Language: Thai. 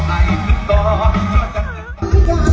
จริงจริง